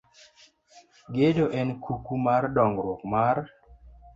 Gedo en kuku mar dongruok mar